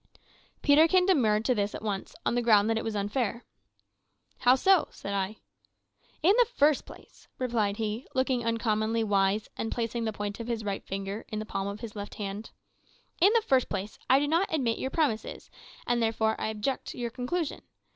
Peterkin demurred to this at once, on the ground that it was unfair. "How so?" said I. "In the first place," replied he, looking uncommonly wise, and placing the point of his right finger in the palm of his left hand "in the first place, I do not admit your premises, and therefore I object to your conclusion.